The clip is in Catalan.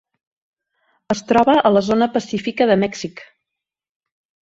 Es troba a la zona pacífica de Mèxic.